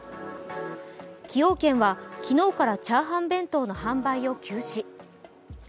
崎陽軒は昨日から炒飯弁当の販売を休止。